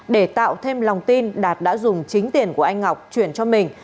để tạo thêm lòng tin đạt đã dùng chính tiền của anh ngọc chuyển cho mình